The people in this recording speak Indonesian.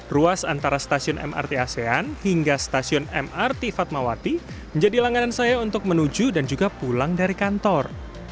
ruas antara stasiun mrt asean hingga stasiun mrt fatmawati menjadi langganan saya untuk menuju dan juga pulang dari kantor